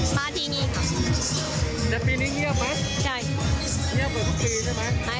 มาทีนี้ค่ะในปีนี้เงียบไหมใช่เงียบเหมือนทุกปีใช่ไหมอ่า